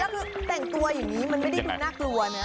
เออแล้วแต่งตัวแบบนี้มันไม่ได้ดูหน้าตัวนะ